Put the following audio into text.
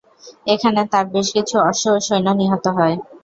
এখানে তার বেশ কিছু অশ্ব ও সৈন্য নিহত হয়।